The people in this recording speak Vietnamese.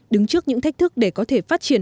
đứng trước những thách thức để có thể phát triển